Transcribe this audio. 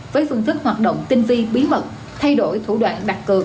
với phương thức hoạt động tinh vi bí mật thay đổi thủ đoạn đặt cợt